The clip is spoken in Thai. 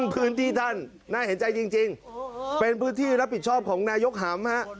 พื้นที่ท่านน่าเห็นใจจริงเป็นพื้นที่รับผิดชอบของนายกหำฮะ